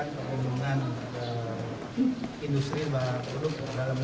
banyak perusahaan yang mengubah strategi produk ekspor ataupun strategi fokus pasar mereka